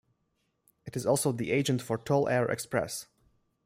It is also the agent for Toll Air Express.